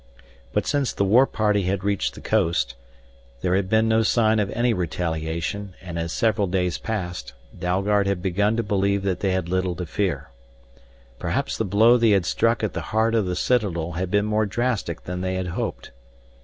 But since the war party had reached the coast, there had been no sign of any retaliation, and as several days passed, Dalgard had begun to believe that they had little to fear. Perhaps the blow they had struck at the heart of the citadel had been more drastic than they had hoped.